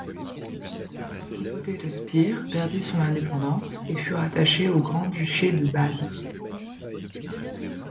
La principauté de Spire perdit son indépendance et fut rattachée au Grand-duché de Bade.